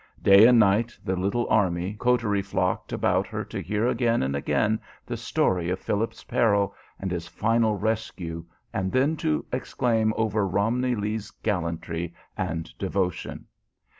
Day and night the little army coterie flocked about her to hear again and again the story of Philip's peril and his final rescue, and then to exclaim over Romney Lee's gallantry and devotion.